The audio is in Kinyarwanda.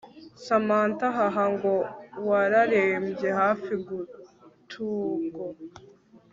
Samantha hhhhh ngo wararebye hafi gutubwo